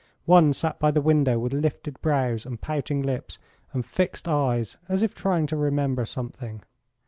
One sat by the window with lifted brows and pouting lips and fixed eyes as if trying to remember something.